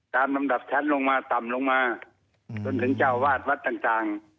ลำดับชั้นลงมาต่ำลงมาจนถึงเจ้าวาดวัดต่าง